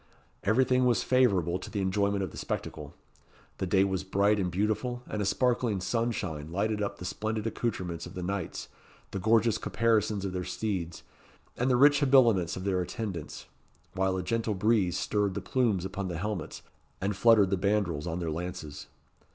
Everything was favourable to the enjoyment of the spectacle. The day was bright and beautiful, and a sparkling sunshine lighted up the splendid accoutrements of the knights, the gorgeous caparisons of their steeds, and the rich habiliments of their attendants; while a gentle breeze stirred the plumes upon the helmets, and fluttered the bandrols on their lances.